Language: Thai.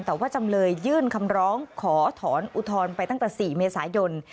แต่ว่าจำเลยยื่นคำร้องขอถอนอุทธรณ์ไปตั้งแต่๔เมษายน